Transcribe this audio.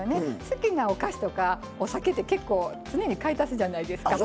好きなお菓子とかお酒って結構常に買い足すじゃないですか。